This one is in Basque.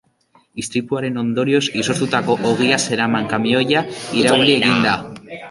Istripuaren ondorioz, izoztutako ogia zeraman kamioia irauli egin da.